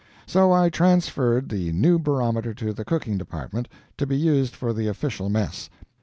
So I transferred the new barometer to the cooking department, to be used for the official mess.